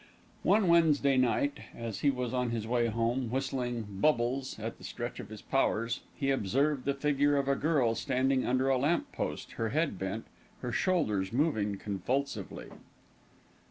One Wednesday night, as he was on his way home, whistling "Bubbles" at the stretch of his powers, he observed the figure of a girl standing under a lamp post, her head bent, her shoulders moving convulsively.